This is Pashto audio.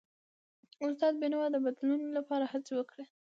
استاد بینوا د بدلون لپاره هڅې وکړي.